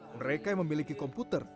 mereka yang memiliki komputer